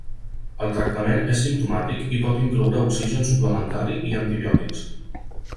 El tractament és simptomàtic i pot incloure oxigen suplementari i antibiòtics.